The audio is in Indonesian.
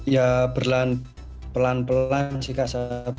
ya berlan pelan sih kak